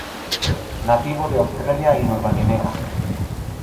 Nativo de Australia y Nueva Guinea.